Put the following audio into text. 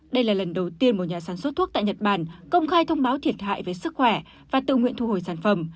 đây là lần đầu tiên một nhà sản xuất thuốc tại nhật bản công khai thông báo thiệt hại về sức khỏe và tự nguyện thu hồi sản phẩm